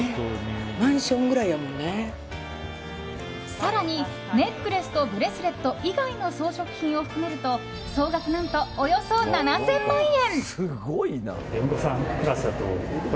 更にネックレスとブレスレット以外の装飾品を含めると総額何とおよそ７０００万円。